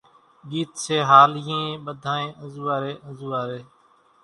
ڳيت سيھاليئين ٻڌانئين انزوئاري انزوئاري،